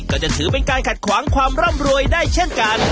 ก็จะถือเป็นการขัดขวางความร่ำรวยได้เช่นกัน